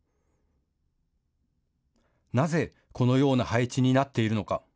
なぜこのような配置になっているのか。